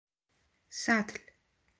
سطل